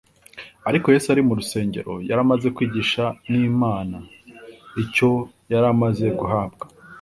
, Ariko Yesu ari mu rusengero, yari amaze kwigishwa n’Imana. Icyo yari amaze guhabwa